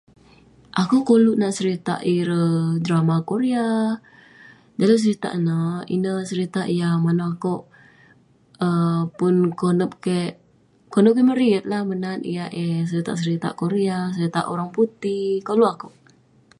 Akouk koluk nat serita ireh drama korea, dalem seritak ineh, ineh yah manaouk akouk pun konep kek- konep kek meriyet lah menat yah eh seritak seritak korea, seritak orang putih. Koluk akouk.